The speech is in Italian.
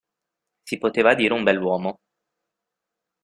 Si poteva dire un bell'uomo.